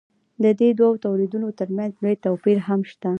د دې دوو تولیدونو ترمنځ لوی توپیر هم شته.